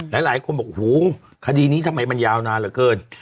หลายคนบอกหูคดีนี้ทำไมมันยาวนานเหลือเกิน